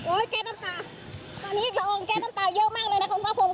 โอ๊ยแก๊สน้ำตาตอนนี้กระอองแก๊สน้ำตาเยอะมากเลยนะคุณภาพภูมิ